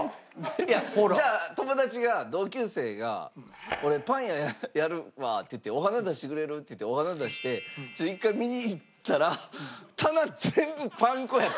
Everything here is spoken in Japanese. いやじゃあ友達が同級生が俺パン屋やるわっていってお花出してくれる？っていってお花出して一回見に行ったら棚全部パン粉やったらいやお前